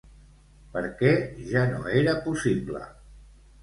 Per què ja no era possible?